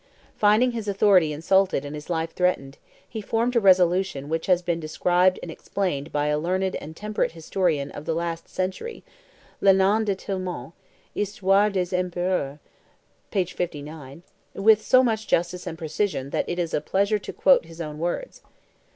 Finding his authority insulted and his life threatened, he formed a resolution which has been described and explained by a learned and temperate historian of the last century, Lenain de Tillemont (Histoire des Empereurs, &c., t. ii. p. 59), with so much justice and precision that it is a pleasure to quote his own words.